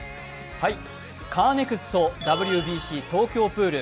カーネクストＷＢＣ東京プール